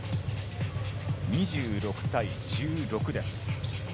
２６対１６です。